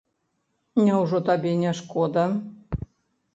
Няўжо табе не шкода?